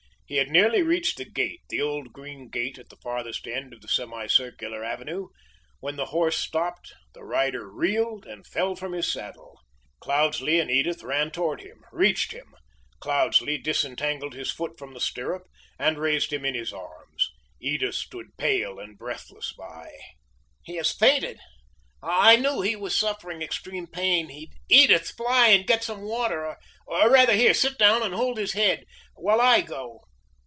He had nearly reached the gate, the old green gate at the farthest end of the semi circular avenue, when the horse stopped, the rider reeled and fell from his saddle. Cloudesley and Edith ran toward him reached him. Cloudesley disentangled his foot from the stirrup, and raised him in his arms. Edith stood pale and breathless by. "He has fainted! I knew he was suffering extreme pain. Edith! fly and get some water! Or rather here! sit down and hold up his head while I go."